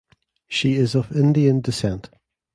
She is of Indian descent.